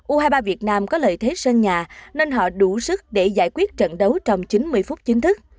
u hai mươi ba việt nam có lợi thế sân nhà nên họ đủ sức để giải quyết trận đấu trong chín mươi phút chính thức